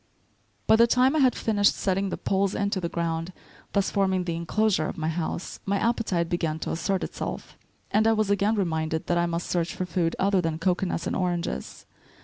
* By the time I had finished setting the poles into the ground, thus forming the enclosure of the house, my appetite began to assert itself; and I was again reminded that I must search for food other than cocoanuts and oranges.